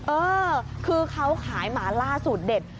เออคือเขาขายหมาล่าสูตรเด็ด